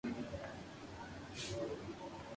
Se proyectaba que Gibraltar caería en solo tres días.